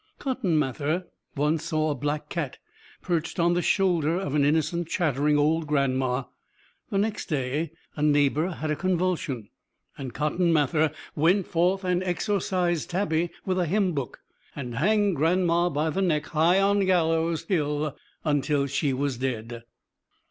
Cotton Mather once saw a black cat perched on the shoulder of an innocent, chattering old gran'ma. The next day a neighbor had a convulsion; and Cotton Mather went forth and exorcised Tabby with a hymn book, and hanged gran'ma by the neck, high on Gallows Hill, until she was dead.